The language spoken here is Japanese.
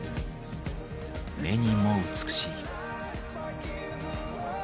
目にも美しい。